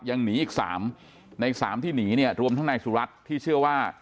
ยังหนีอีก๓ใน๓ที่หนีเนี่ยรวมทั้งนายสุรัตน์ที่เชื่อว่า